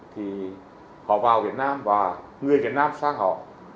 thì họ vào việt nam và người việt nam sang họ